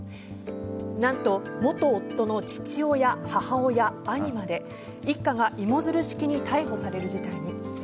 何と元夫の父親、母親、兄まで一家が芋づる式に逮捕される事態に。